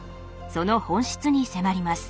その本質に迫ります。